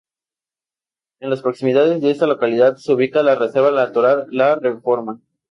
En las proximidades de esta localidad se ubica la reserva natural La Reforma.